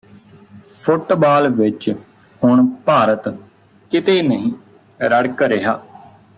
football ਵਿਚ ਹੁਣ ਭਾਰਤ ਕਿਤੇ ਨਹੀਂ ਰੜਕ ਰਿਹਾ